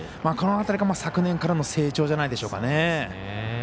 この辺りが昨年からの成長じゃないでしょうか。